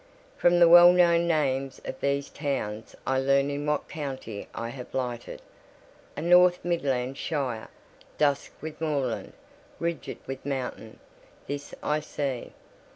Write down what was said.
From the well known names of these towns I learn in what county I have lighted; a north midland shire, dusk with moorland, ridged with mountain: this I see.